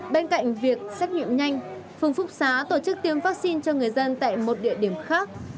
bên cạnh việc xét nghiệm nhanh phường phúc xá tổ chức tiêm vaccine cho người dân tại một địa điểm khác